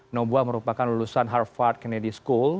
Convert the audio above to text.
nobuah merupakan lulusan harvard kennedy school